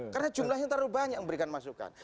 karena jumlahnya terlalu banyak yang berikan masukan